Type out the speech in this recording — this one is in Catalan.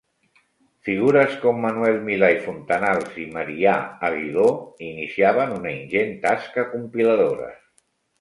Figures com Manuel Milà i Fontanals i Marià Aguiló iniciaven una ingent tasca compiladora.